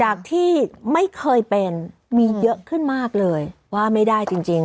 จากที่ไม่เคยเป็นมีเยอะขึ้นมากเลยว่าไม่ได้จริง